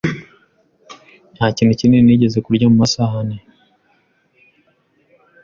Nta kintu kinini nigeze kurya mu masaha ane